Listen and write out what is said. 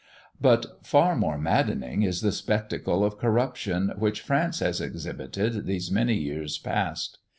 But far more saddening is the spectacle of corruption, which France has exhibited these many years past.